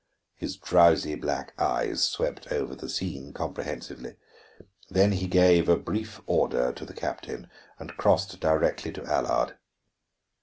His drowsy black eyes swept over the scene comprehensively, then he gave a brief order to the captain and crossed directly to Allard.